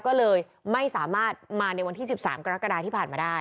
ก็เลยไม่สามารถมาในวันที่๑๓กรกฎาที่ผ่านมาได้